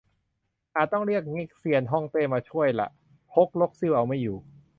อาจต้องเรียกเง็กเซียนฮ่องเต้มาช่วยละ ฮกลกซิ่วเอาไม่อยู่